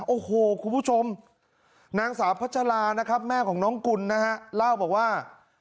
โอ้โหคุณผู้ชมนางสาวพจาราแม่ของน้องกุญบอกว่า